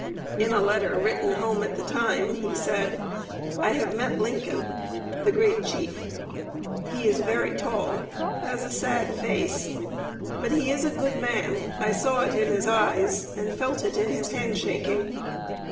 In a letter written home at the time he said: "I have met Lincoln, the great chief; he is very tall, has a sad face, but he is a good man, I saw it in his eyes and felt it in his hand shaking.